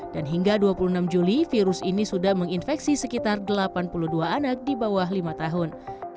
dan hingga dua puluh enam juli virus ini sudah menginfeksi sekitar delapan puluh dua anak di bawah lima tahun